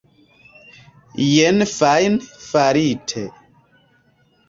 Jen fajne farite.